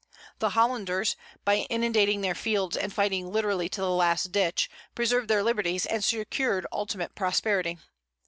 The Hollanders, by inundating their fields and fighting literally to the "last ditch," preserved their liberties and secured ultimate prosperity.